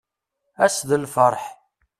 Ass d lferḥ.